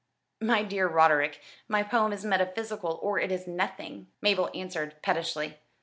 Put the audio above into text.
"My dear Roderick, my poem is metaphysical or it is nothing," Mabel answered pettishly.